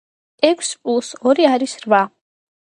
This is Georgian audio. ექვს პლუს ორი არის რვა.